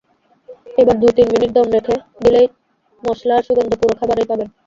এবার দু-তিন মিনিট দমে রেখে দিলেই মসলার সুগন্ধ পুরো খাবারেই পাবেন।